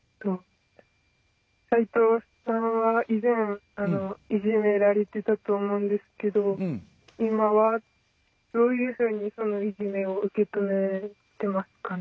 斉藤さんは以前いじめられていたと思うんですけど今はどういうふうにそのいじめを受け止めてますか？